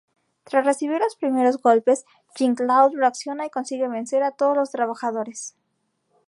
Tras recibir los primeros golpes, Jean-Claude reacciona y consigue vencer a todos los trabajadores.